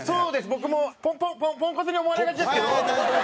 僕もポンポンポンポンコツに思われがちですけど。